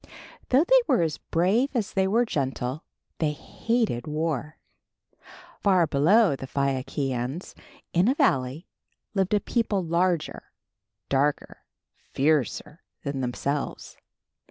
Though they were as brave as they were gentle, they hated war. Far below the Phaiakians, in a valley, lived a people larger, darker, fiercer than themselves.